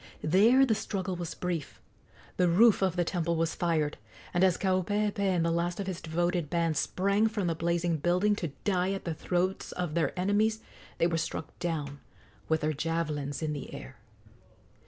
There the struggle was brief. The roof of the temple was fired, and as Kaupeepee and the last of his devoted band sprang from the blazing building to die at the throats of their enemies they were struck down with their javelins in the air.